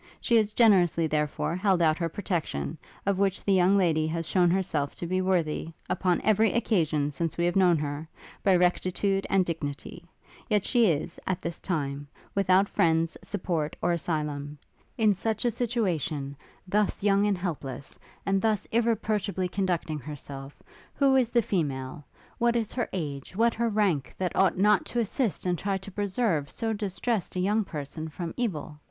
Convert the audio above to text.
She has generously, therefore, held out her protection; of which the young lady has shown herself to be worthy, upon every occasion, since we have known her, by rectitude and dignity: yet she is, at this time, without friends, support, or asylum: in such a situation, thus young and helpless, and thus irreproachably conducting herself, who is the female what is her age, what her rank, that ought not to assist and try to preserve so distressed a young person from evil?